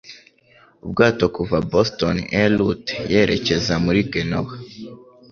ubwato kuva Boston En Route yerekeza muri Genoa?